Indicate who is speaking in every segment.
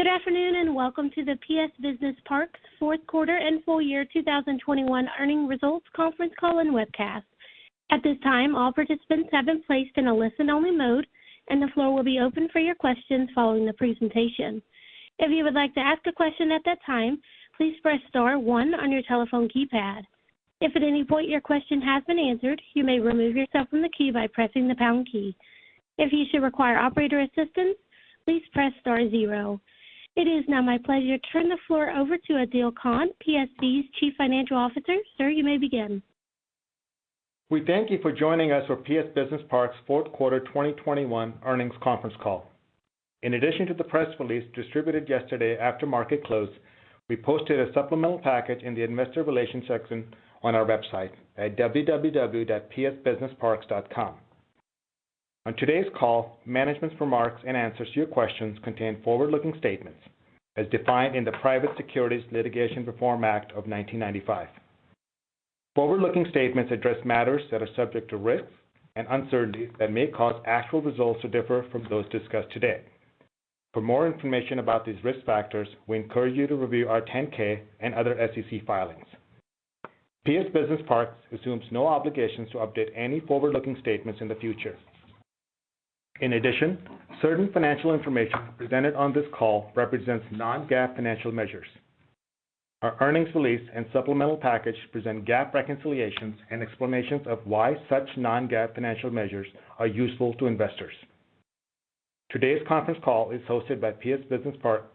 Speaker 1: Good afternoon, and welcome to the PS Business Parks Fourth Quarter and Full Year 2021 Earnings Results Conference Call and Webcast. At this time, all participants have been placed in a listen-only mode, and the floor will be open for your questions following the presentation. If you would like to ask a question at that time, please press star one on your telephone keypad. If at any point your question has been answered, you may remove yourself from the queue by pressing the pound key. If you should require operator assistance, please press star zero. It is now my pleasure to turn the floor over to Adeel Khan, PSB's Chief Financial Officer. Sir, you may begin.
Speaker 2: We thank you for joining us for PS Business Parks Fourth Quarter 2021 Earnings Conference Call. In addition to the press release distributed yesterday after market close, we posted a supplemental package in the Investor Relations section on our website at www.psbusinessparks.com. On today's call, management's remarks and answers to your questions contain forward-looking statements, as defined in the Private Securities Litigation Reform Act of 1995. Forward-looking statements address matters that are subject to risks and uncertainties that may cause actual results to differ from those discussed today. For more information about these risk factors, we encourage you to review our 10-K and other SEC filings. PS Business Parks assumes no obligations to update any forward-looking statements in the future. In addition, certain financial information presented on this call represents non-GAAP financial measures. Our earnings release and supplemental package present GAAP reconciliations and explanations of why such non-GAAP financial measures are useful to investors. Today's conference call is hosted by PS Business Parks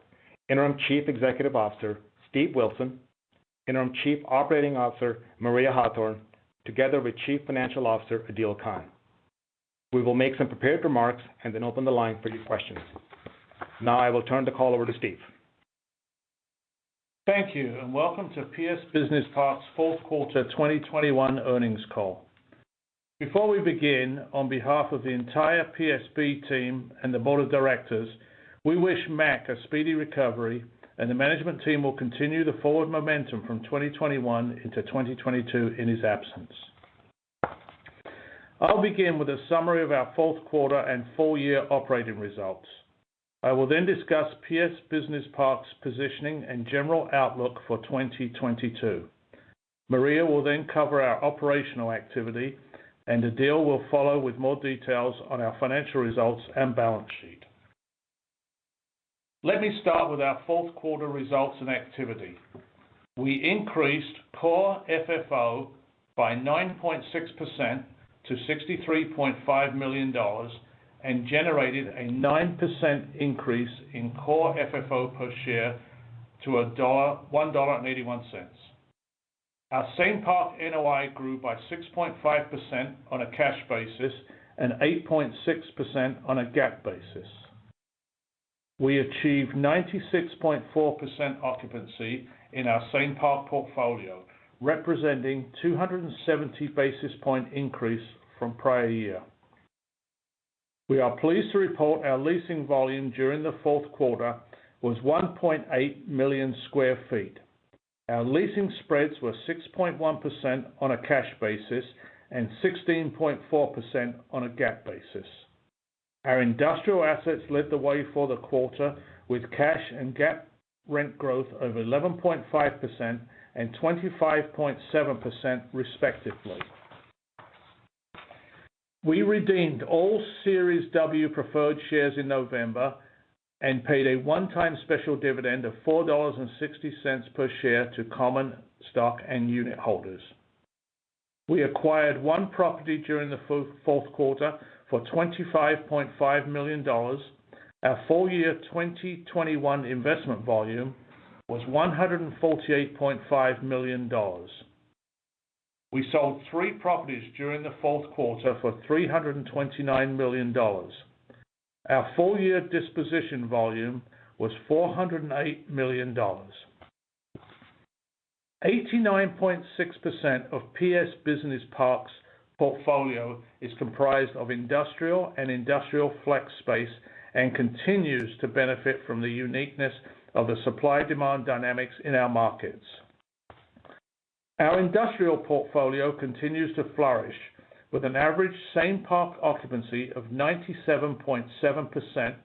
Speaker 2: Interim Chief Executive Officer, Steve Wilson, Interim Chief Operating Officer, Maria Hawthorne, together with Chief Financial Officer, Adeel Khan. We will make some prepared remarks and then open the line for your questions. Now I will turn the call over to Steve.
Speaker 3: Thank you, and welcome to PS Business Parks' Fourth Quarter 2021 Earnings Call. Before we begin, on behalf of the entire PSB team and the board of directors, we wish Mac a speedy recovery, and the management team will continue the forward momentum from 2021 into 2022 in his absence. I'll begin with a summary of our fourth quarter and full year operating results. I will then discuss PS Business Parks' positioning and general outlook for 2022. Maria will then cover our operational activity, and Adeel will follow with more details on our financial results and balance sheet. Let me start with our fourth quarter results and activity. We increased core FFO by 9.6% to $63.5 million, and generated a 9% increase in core FFO per share to $1.81. Our Same-Park NOI grew by 6.5% on a cash basis and 8.6% on a GAAP basis. We achieved 96.4% occupancy in our Same-Park portfolio, representing 270 basis points increase from prior year. We are pleased to report our leasing volume during the fourth quarter was 1.8 million sq ft. Our leasing spreads were 6.1% on a cash basis and 16.4% on a GAAP basis. Our industrial assets led the way for the quarter with cash and GAAP rent growth of 11.5% and 25.7% respectively. We redeemed all Series W preferred shares in November and paid a one-time special dividend of $4.60 per share to common stock and unit holders. We acquired one property during the fourth quarter for $25.5 million. Our full year 2021 investment volume was $148.5 million. We sold three properties during the fourth quarter for $329 million. Our full year disposition volume was $408 million. 89.6% of PS Business Parks' portfolio is comprised of industrial and industrial flex space and continues to benefit from the uniqueness of the supply-demand dynamics in our markets. Our industrial portfolio continues to flourish with an average same park occupancy of 97.7%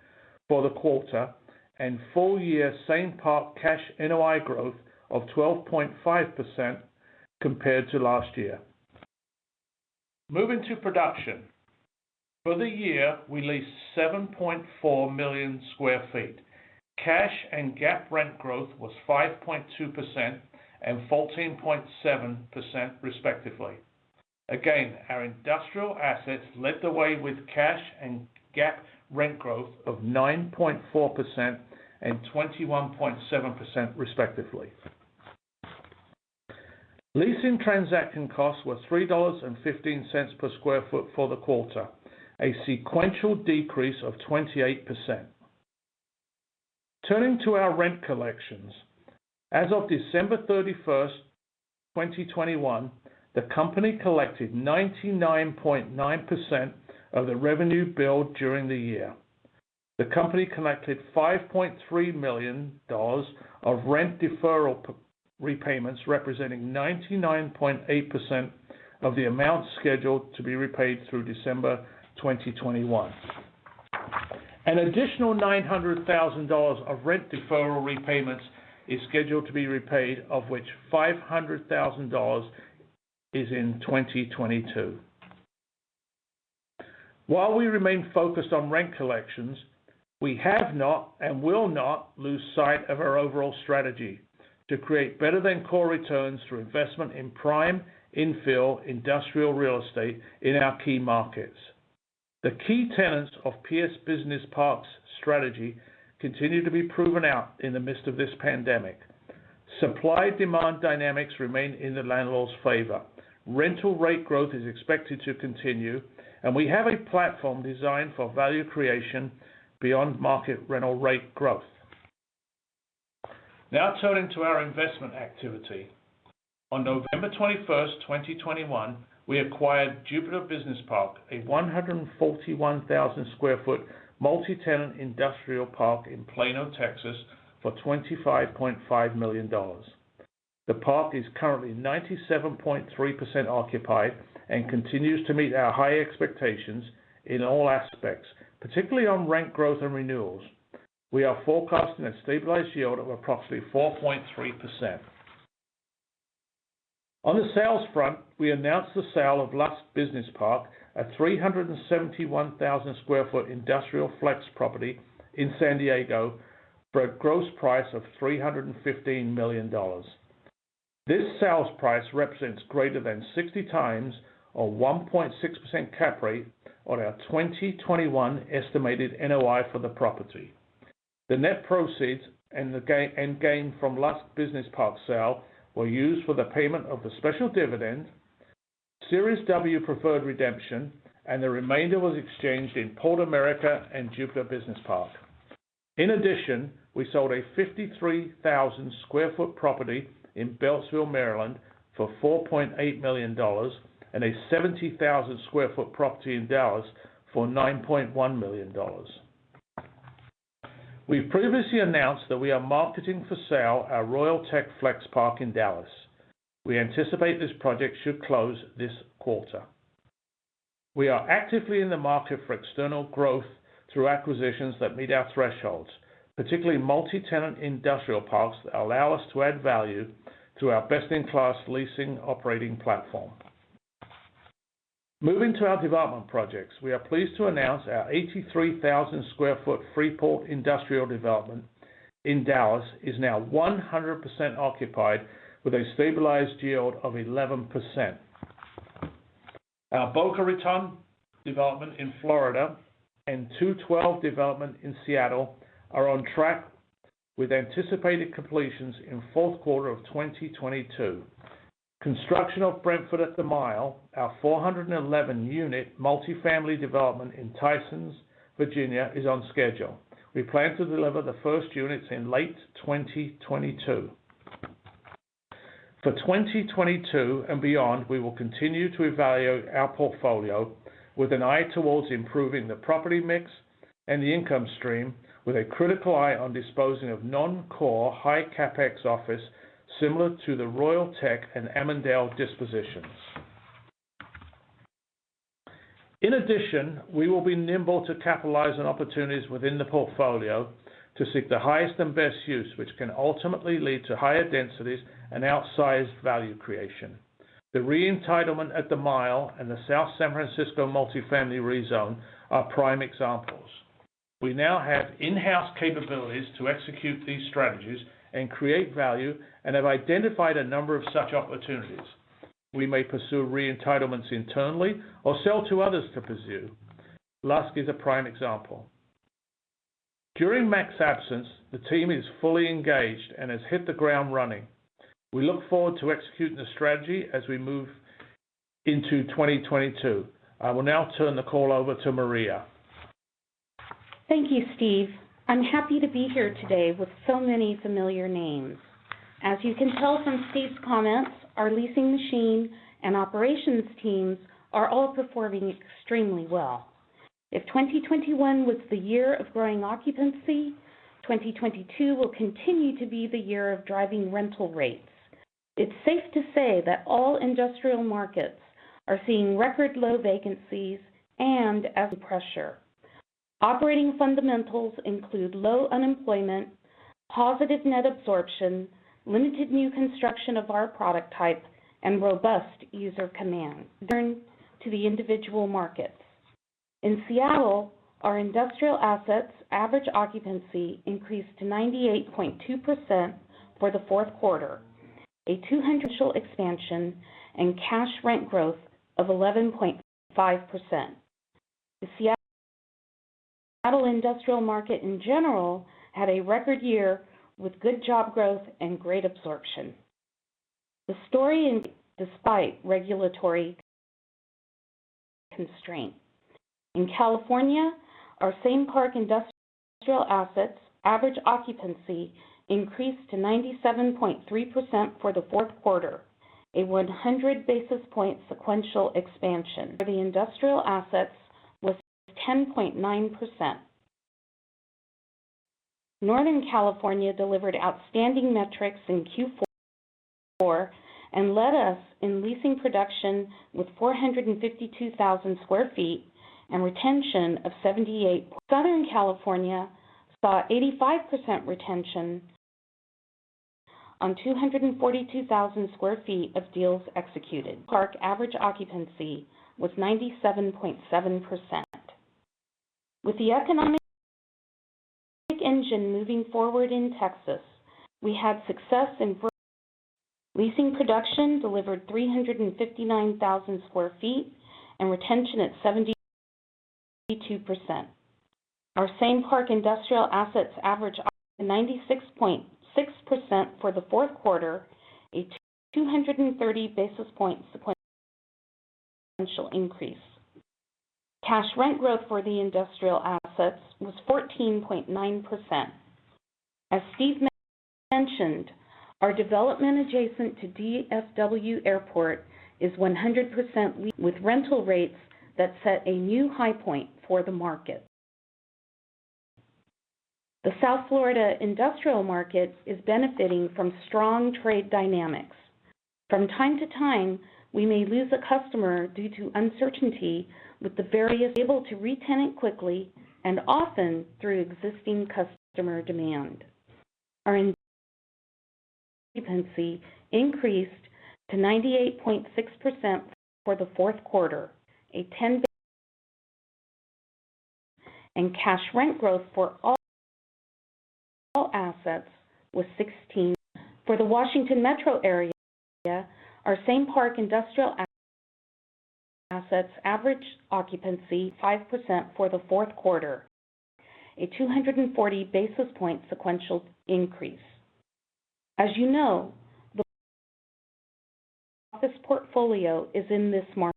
Speaker 3: for the quarter and full year same park cash NOI growth of 12.5% compared to last year. Moving to production. For the year, we leased 7.4 million sq ft. Cash and GAAP rent growth was 5.2% and 14.7% respectively. Our industrial assets led the way with cash and GAAP rent growth of 9.4% and 21.7% respectively. Leasing transaction costs were $3.15 per sq ft for the quarter, a sequential decrease of 28%. Turning to our rent collections. As of December 31, 2021, the company collected 99.9% of the revenue billed during the year. The company collected $5.3 million of rent deferral payments, representing 99.8% of the amount scheduled to be repaid through December 31, 2021. An additional $900,000 of rent deferral repayments is scheduled to be repaid, of which $500,000 is in 2022. While we remain focused on rent collections, we have not and will not lose sight of our overall strategy to create better than core returns through investment in prime infill industrial real estate in our key markets. The key tenants of PS Business Parks strategy continue to be proven out in the midst of this pandemic. Supply/demand dynamics remain in the landlord's favor. Rental rate growth is expected to continue, and we have a platform designed for value creation beyond market rental rate growth. Now turning to our investment activity. On November 21, 2021, we acquired Jupiter Business Park, a 141,000 sq ft multi-tenant industrial park in Plano, Texas, for $25.5 million. The park is currently 97.3% occupied and continues to meet our high expectations in all aspects, particularly on rent growth and renewals. We are forecasting a stabilized yield of approximately 4.3%. On the sales front, we announced the sale of Lusk Business Park, a 371,000 sq ft industrial flex property in San Diego, for a gross price of $315 million. This sales price represents greater than 60 times or 1.6% cap rate on our 2021 estimated NOI for the property. The net proceeds and the gain from Lusk Business Park sale were used for the payment of the special dividend, Series W preferred redemption, and the remainder was exchanged in Port America and Jupiter Business Park. In addition, we sold a 53,000 sq ft property in Beltsville, Maryland for $4.8 million and a 70,000 sq ft property in Dallas for $9.1 million. We previously announced that we are marketing for sale our Royal Tech Business Park in Dallas. We anticipate this project should close this quarter. We are actively in the market for external growth through acquisitions that meet our thresholds, particularly multi-tenant industrial parks that allow us to add value to our best in class leasing operating platform. Moving to our development projects, we are pleased to announce our 83,000 sq ft Freeport Business Park development in Dallas is now 100% occupied with a stabilized yield of 11%. Our Boca Raton development in Florida and 212 development in Seattle are on track with anticipated completions in fourth quarter of 2022. Construction of Brentford at The Mile, our 411-unit multifamily development in Tysons, Virginia, is on schedule. We plan to deliver the first units in late 2022. For 2022 and beyond, we will continue to evaluate our portfolio with an eye towards improving the property mix and the income stream with a critical eye on disposing of non-core high CapEx office similar to the Royal Tech and Avondale dispositions. In addition, we will be nimble to capitalize on opportunities within the portfolio to seek the highest and best use which can ultimately lead to higher densities and outsized value creation. The re-entitlement at The Mile and the South San Francisco multifamily rezone are prime examples. We now have in-house capabilities to execute these strategies and create value, and have identified a number of such opportunities. We may pursue re-entitlements internally or sell to others to pursue. Lusk is a prime example. During Mac's absence, the team is fully engaged and has hit the ground running. We look forward to executing the strategy as we move into 2022. I will now turn the call over to Maria.
Speaker 4: Thank you, Steve. I'm happy to be here today with so many familiar names. As you can tell from Steve's comments, our leasing machine and operations teams are all performing extremely well. If 2021 was the year of growing occupancy, 2022 will continue to be the year of driving rental rates. It's safe to say that all industrial markets are seeing record low vacancies and every pressure. Operating fundamentals include low unemployment, positive net absorption, limited new construction of our product type, and robust user demand. Turn to the individual markets. In Seattle, our industrial assets' average occupancy increased to 98.2% for the fourth quarter, a 200 bps expansion and cash rent growth of 11.5%. The Seattle industrial market in general had a record year with good job growth and great absorption. The same story despite regulatory constraint. In California, our same park industrial assets average occupancy increased to 97.3% for the fourth quarter, a 100 basis points sequential expansion. For the industrial assets was 10.9%. Northern California delivered outstanding metrics in Q4 and led us in leasing production with 452,000 sq ft and retention of 78%. Southern California saw 85% retention on 242,000 sq ft of deals executed. Park average occupancy was 97.7%. With the economic engine moving forward in Texas, we had success in leasing production, delivered 359,000 sq ft and retention at 72%. Our same park industrial assets average 96.6% for the fourth quarter, a 230 basis points sequential increase. Cash rent growth for the industrial assets was 14.9%. As Steve Wilson mentioned, our development adjacent to DFW Airport is 100% with rental rates that set a new high point for the market. The South Florida industrial market is benefiting from strong trade dynamics. From time to time, we may lose a customer due to uncertainty with the virus able to retenant quickly and often through existing customer demand. Our occupancy increased to 98.6% for the fourth quarter, a 10% and cash rent growth for all assets was 16%. For the Washington Metro area, our same park industrial assets average occupancy 95% for the fourth quarter, a 240 basis points sequential increase. As you know, this portfolio is in this market,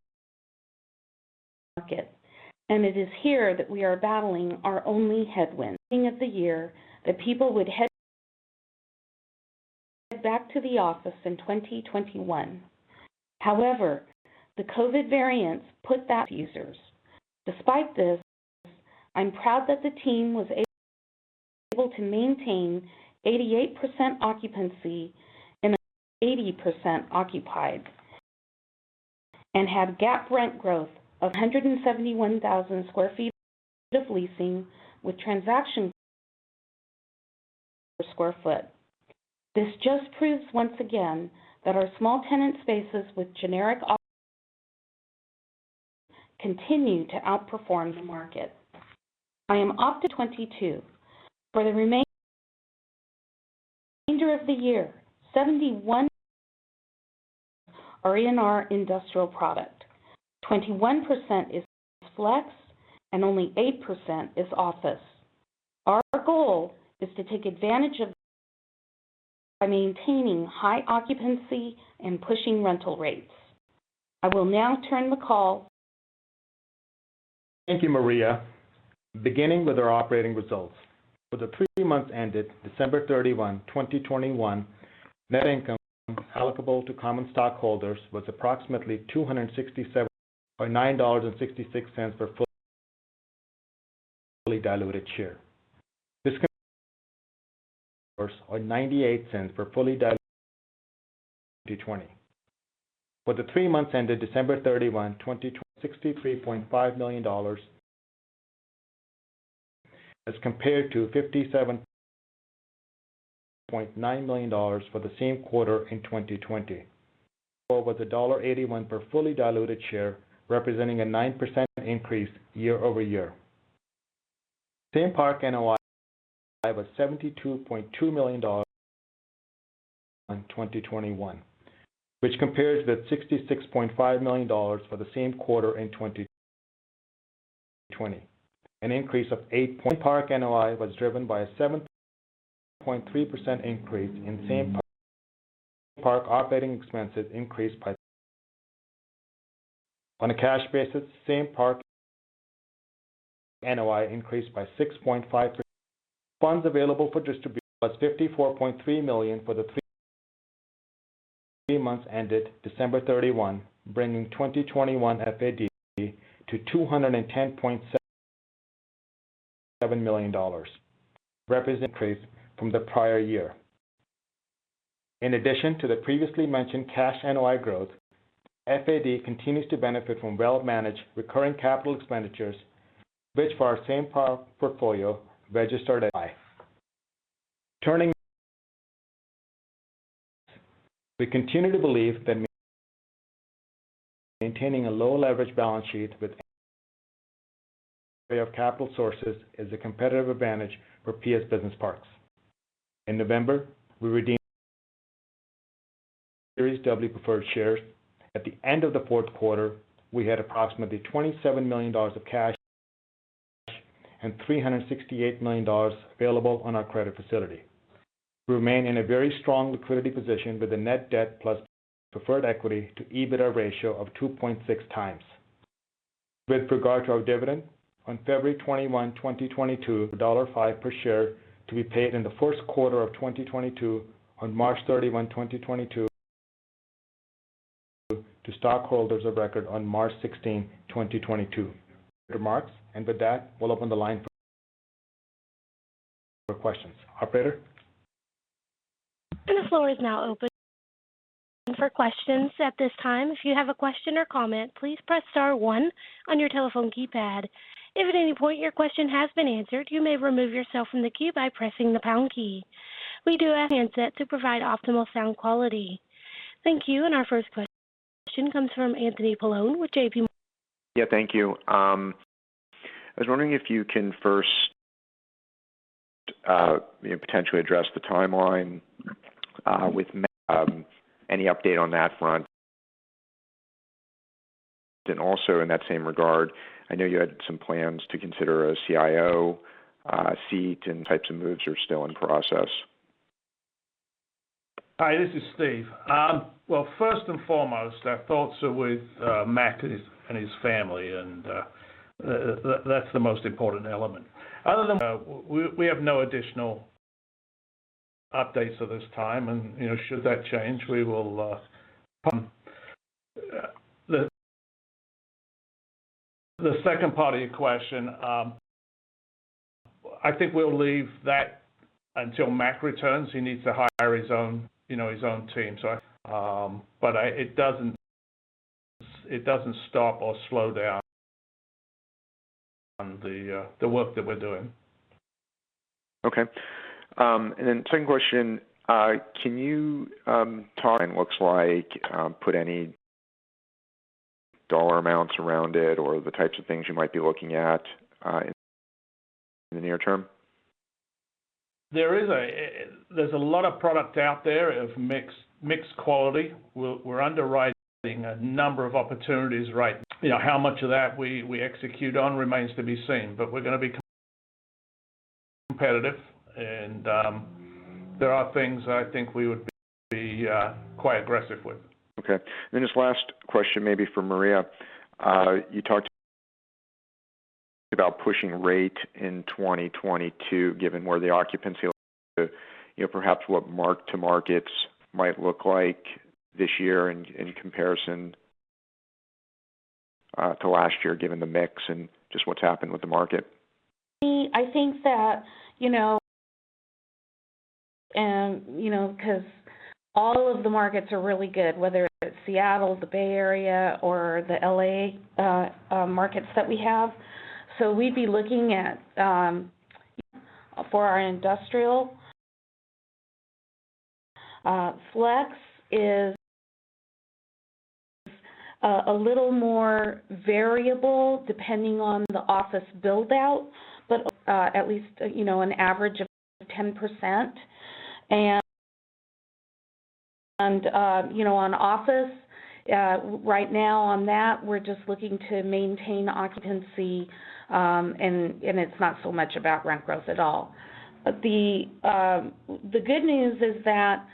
Speaker 4: and it is here that we are battling our only headwind. At the beginning of the year that people would head back to the office in 2021. However, the COVID variants put that to the test. Despite this, I'm proud that the team was able to maintain 88% occupancy and 80% occupied and have GAAP rent growth of 171,000 sq ft of leasing with transaction per square foot. This just proves once again that our small tenant spaces which are generic continue to outperform the market. I am optimistic for 2022. For the remainder of the year, 71% are in our industrial product, 21% is flex, and only 8% is office. Our goal is to take advantage of it by maintaining high occupancy and pushing rental rates. I will now turn the call.
Speaker 2: Thank you, Maria. Beginning with our operating results. For the three months ended December 31, 2021, net income allocable to common stockholders was approximately $267 or $9.66 per fully diluted share. For the three months ended December 31, 2020, $63.5 million as compared to $57.9 million for the same quarter in 2020. Was $1.81 per fully diluted share, representing a 9% increase year-over-year. Same-Park NOI was $72.2 million in 2021, which compares that $66.5 million for the same quarter in 2020. An increase of 8. park NOI was driven by a 7.3% increase in Same-Park. Park operating expenses increased by. On a cash basis, Same-Park NOI increased by 6.5%. Funds available for distribution was $54.3 million for the three months ended December 31, bringing 2021 FAD to $210.7 million, representing an increase from the prior year. In addition to the previously mentioned cash NOI growth, FAD continues to benefit from well-managed recurring capital expenditures, which for our same-park portfolio registered a high. We continue to believe that maintaining a low leverage balance sheet with capital sources is a competitive advantage for PS Business Parks. In November, we redeemed Series W preferred shares. At the end of the fourth quarter, we had approximately $27 million of cash and $368 million available on our credit facility. We remain in a very strong liquidity position with a net debt plus preferred equity to EBITDA ratio of 2.6x. With regard to our dividend, on February 21, 2022, $1.05 per share to be paid in the first quarter of 2022 on March 31, 2022, to stockholders of record on March 16, 2022. Remarks. With that, we'll open the line for questions. Operator.
Speaker 1: The floor is now open for questions. At this time, if you have a question or comment, please press star one on your telephone keypad. If at any point your question has been answered, you may remove yourself from the queue by pressing the pound key. We do have a handset to provide optimal sound quality. Thank you. Our first question comes from Anthony Paolone with JPMorgan.
Speaker 5: Thank you. I was wondering if you can first, you know, potentially address the timeline with Mac, any update on that front. Also in that same regard, I know you had some plans to consider a CIO seat, and types of moves are still in process.
Speaker 3: Hi, this is Steve. Well, first and foremost, our thoughts are with Mac and his family, and that's the most important element. Other than that, we have no additional updates at this time, and you know, should that change, we will. The second part of your question, I think we'll leave that until Mac returns. He needs to hire his own team. But I... It doesn't stop or slow down the work that we're doing.
Speaker 5: Okay. Second question, can you talk what it looks like, put any dollar amounts around it or the types of things you might be looking at, in the near term?
Speaker 3: There's a lot of product out there of mixed quality. We're underwriting a number of opportunities right now. You know, how much of that we execute on remains to be seen, but we're gonna be competitive and there are things I think we would be quite aggressive with.
Speaker 5: Okay. This last question may be for Maria. You talked about pushing rate in 2022 given where the occupancy, you know, perhaps what mark-to-markets might look like this year in comparison to last year, given the mix and just what's happened with the market.
Speaker 4: I think that, you know, 'cause all of the markets are really good, whether it's Seattle, the Bay Area, or the L.A. markets that we have. We'd be looking at for our industrial. Flex is a little more variable depending on the office build-out, but at least you know an average of 10%. You know, on office, right now on that, we're just looking to maintain occupancy, and it's not so much about rent growth at all. The good news is that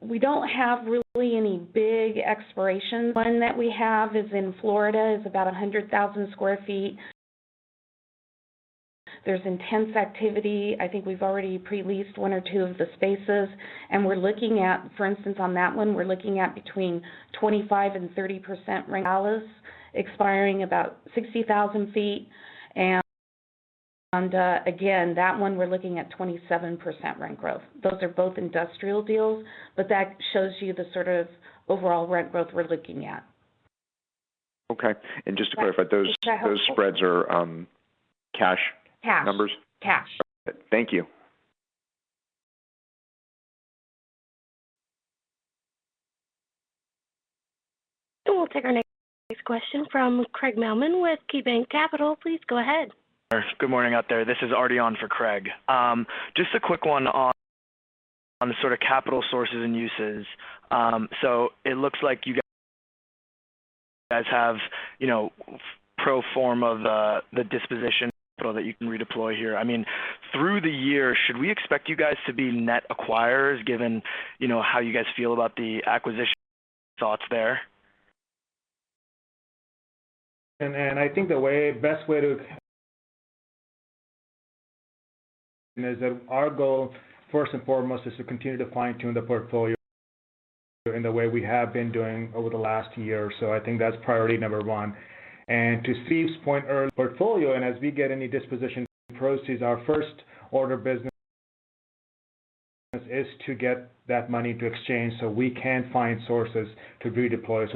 Speaker 4: we don't have really any big expirations. One that we have is in Florida, about 100,000 sq ft. There's intense activity. I think we've already pre-leased one or two of the spaces, and we're looking at, for instance, on that one, we're looking at between 25%-30% rent. In Dallas, expiring about 60,000 sq ft. Again, that one we're looking at 27% rent growth. Those are both industrial deals, but that shows you the sort of overall rent growth we're looking at.
Speaker 5: Okay. Just to clarify, those spreads are cash-
Speaker 4: Cash.
Speaker 5: Numbers?
Speaker 4: Cash.
Speaker 5: Thank you.
Speaker 1: We'll take our next question from Craig Mailman with KeyBanc Capital Markets. Please go ahead.
Speaker 6: Good morning out there. This is Artion for Craig. Just a quick one on the sort of capital sources and uses. So it looks like you guys have, you know, pro forma of the disposition capital that you can redeploy here. I mean, through the year, should we expect you guys to be net acquirers given, you know, how you guys feel about the acquisition thoughts there?
Speaker 2: I think the best way is that our goal, first and foremost, is to continue to fine-tune the portfolio in the way we have been doing over the last year. I think that's priority number one. To Steve's point earlier, as we get any disposition proceeds, our first order of business is to get that money to exchange, so we can find sources to redeploy.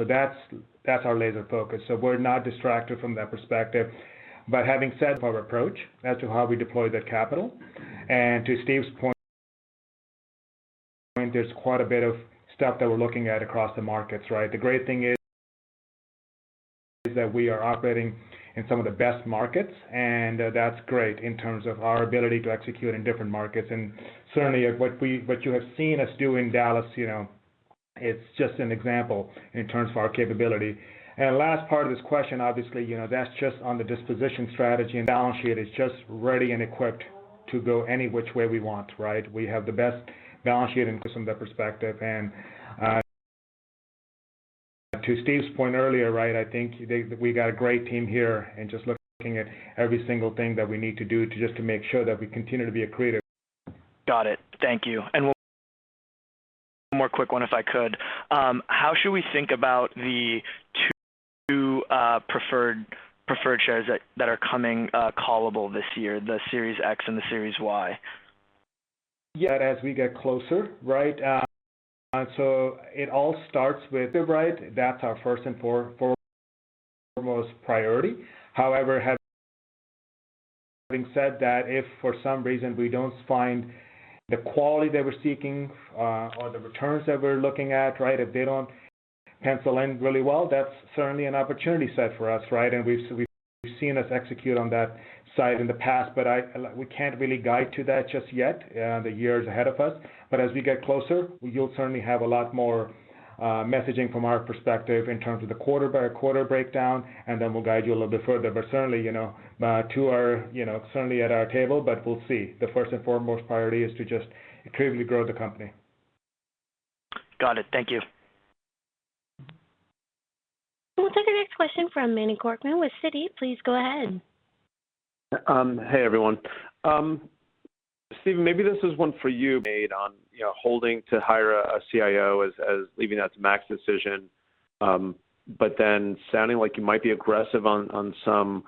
Speaker 2: That's our laser focus. We're not distracted from that perspective. Having said that, our approach as to how we deploy that capital, to Steve's point, there's quite a bit of stuff that we're looking at across the markets, right? The great thing is that we are operating in some of the best markets, and that's great in terms of our ability to execute in different markets. Certainly what you have seen us do in Dallas, you know, it's just an example in terms of our capability. Last part of this question, obviously, you know, that's just on the disposition strategy, and balance sheet is just ready and equipped to go any which way we want, right? We have the best balance sheet from that perspective. To Steve's point earlier, right, I think we got a great team here and just looking at every single thing that we need to do to make sure that we continue to be a creative.
Speaker 6: Got it. Thank you. One more quick one, if I could. How should we think about the two preferred shares that are coming callable this year, the Series X and the Series Y?
Speaker 2: Yeah. As we get closer, right? It all starts with the right. That's our first and foremost priority. However, having said that, if for some reason we don't find the quality that we're seeking, or the returns that we're looking at, right, if they don't pencil in really well, that's certainly an opportunity set for us, right? We've executed on that side in the past, but we can't really guide to that just yet. The year is ahead of us. As we get closer, you'll certainly have a lot more messaging from our perspective in terms of the quarter by quarter breakdown, and then we'll guide you a little bit further. Certainly, you know, too are, you know, certainly at our table, but we'll see. The first and foremost priority is to just organically grow the company.
Speaker 6: Got it. Thank you.
Speaker 1: We'll take the next question from Manny Korchman with Citi. Please go ahead.
Speaker 7: Hey, everyone. Steve, maybe this is one for you, but on, you know, holding off on hiring a CIO and leaving that to Mac's decision, but then sounding like you might be aggressive on some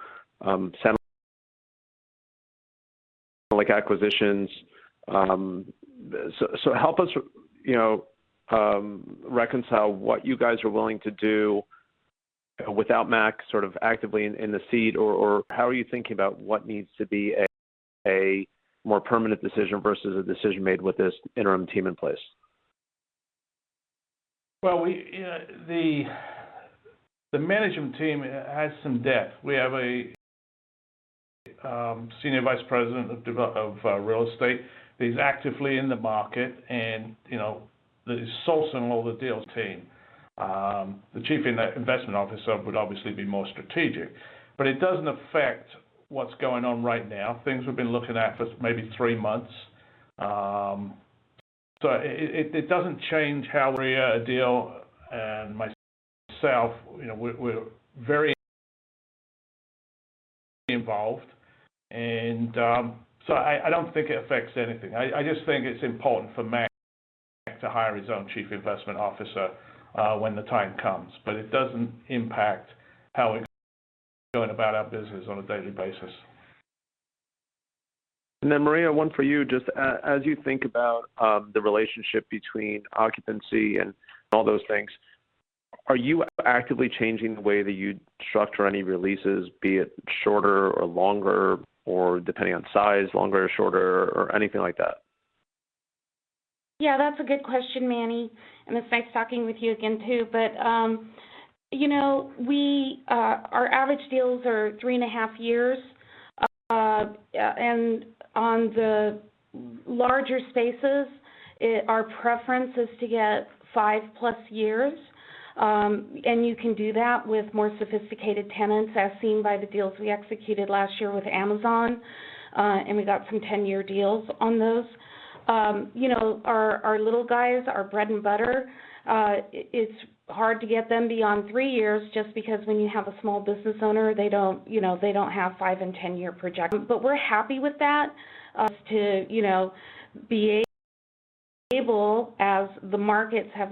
Speaker 7: acquisitions. Help us, you know, reconcile what you guys are willing to do without Mac sort of actively in the seat, or how are you thinking about what needs to be a more permanent decision versus a decision made with this interim team in place?
Speaker 3: We, you know, the management team has some depth. We have a senior vice president of real estate. He's actively in the market and, you know, is sourcing all the deals team. The chief investment officer would obviously be more strategic, but it doesn't affect what's going on right now. Things we've been looking at for maybe three months. It doesn't change how we, Adeel and myself, you know, we're very involved and, so I don't think it affects anything. I just think it's important for Mac to hire his own chief investment officer when the time comes, but it doesn't impact how we go about our business on a daily basis.
Speaker 7: Maria, one for you. Just as you think about the relationship between occupancy and all those things, are you actively changing the way that you structure any releases, be it shorter or longer or depending on size, longer or shorter or anything like that?
Speaker 4: Yeah, that's a good question, Manny. It's nice talking with you again too. You know, our average deals are 3.5 years. On the larger spaces, our preference is to get 5+ years. You can do that with more sophisticated tenants, as seen by the deals we executed last year with Amazon. We got some 10-year deals on those. You know, our little guys, our bread and butter, it's hard to get them beyond three years, just because when you have a small business owner, they don't, you know, have 5- and 10-year projections. We're happy with that. You know, to be able as the markets have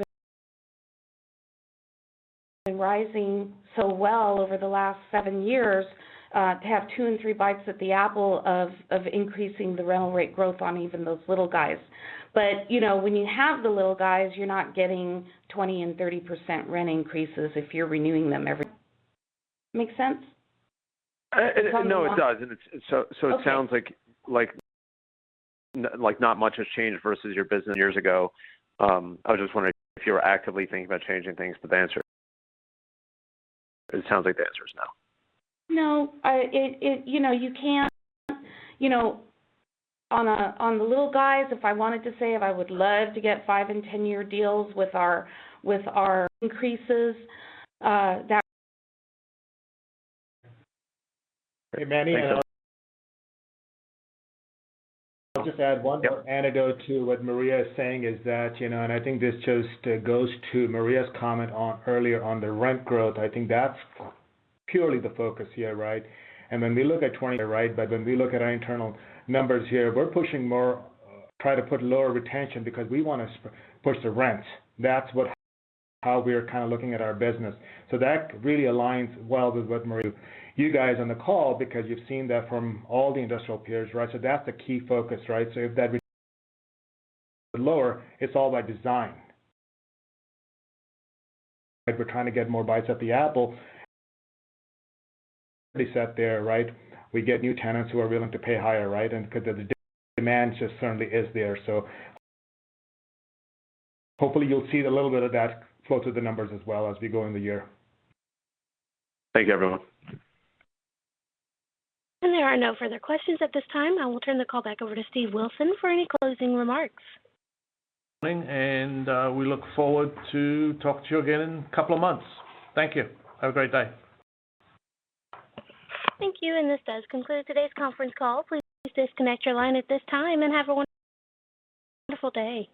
Speaker 4: been rising so well over the last seven years to have two and three bites at the apple of increasing the rental rate growth on even those little guys. You know, when you have the little guys, you're not getting 20% and 30% rent increases if you're renewing them every. Make sense?
Speaker 7: No, it does. It sounds like not much has changed versus your business years ago. I was just wondering if you were actively thinking about changing things, but the answer. It sounds like the answer is no.
Speaker 4: No. It, you know, you can't, you know. On the little guys, if I wanted to say if I would love to get five and 10-year deals with our increases, that.
Speaker 2: Hey, Manny.
Speaker 7: Thanks.
Speaker 2: I'll just add one more anecdote to what Maria is saying is that, you know, I think this just goes to Maria's comment earlier on the rent growth. I think that's purely the focus here, right? When we look at 20%, right, but when we look at our internal numbers here, we're pushing more, try to put lower retention because we want to push the rents. That's what, how we are kind of looking at our business. That really aligns well with what Maria, you guys on the call because you've seen that from all the industrial peers, right? That's the key focus, right? If that lower, it's all by design. We're trying to get more bites at the apple. Set there, right? We get new tenants who are willing to pay higher, right? And because the demand just certainly is there. Hopefully you'll see a little bit of that flow through the numbers as well as we go in the year.
Speaker 7: Thank you, everyone.
Speaker 1: There are no further questions at this time. I will turn the call back over to Stephen Wilson for any closing remarks.
Speaker 3: We look forward to talk to you again in a couple of months. Thank you. Have a great day.
Speaker 1: Thank you. This does conclude today's conference call. Please disconnect your line at this time and have a wonderful day.